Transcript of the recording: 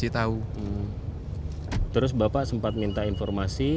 terus bapak sempat minta informasi